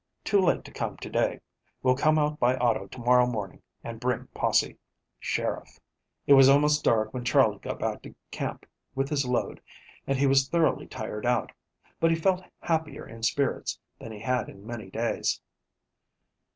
Too late to come to day. Will come out by auto to morrow morning and bring posse." "SHERIFF." It was almost dark when Charley got back to camp with his load, and he was thoroughly tired out, but he felt happier in spirits than he had in many days.